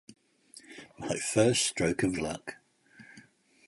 My first stroke of luck!